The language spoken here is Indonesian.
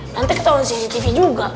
nanti ketahuan si tv juga